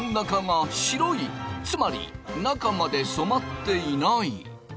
つまり中まで染まっていない。